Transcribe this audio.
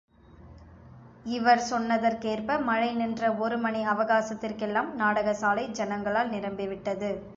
இவர் சொன்னதற்கேற்ப, மழை நின்ற ஒரு மணி அவகாசத்திற்கெல்லாம், நாகடசாலை ஜனங்களால் நிரம்பிவிட்டது!